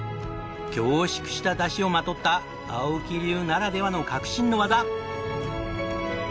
凝縮しただしをまとった青木流ならではの革新の技。